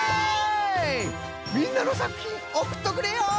みんなのさくひんおくっとくれよ！